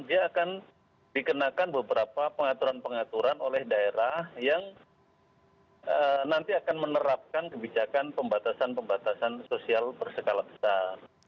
dia akan dikenakan beberapa pengaturan pengaturan oleh daerah yang nanti akan menerapkan kebijakan pembatasan pembatasan sosial berskala besar